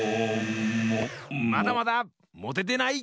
まだまだ！もててない！